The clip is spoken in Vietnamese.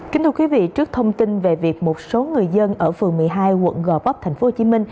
kính thưa quý vị trước thông tin về việc một số người dân ở phường một mươi hai quận gò vấp tp hcm